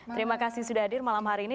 terima kasih sudah hadir malam hari ini